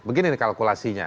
begini nih kalkulasinya